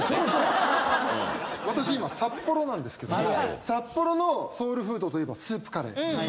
私今札幌なんですけども札幌のソウルフードといえばスープカレー。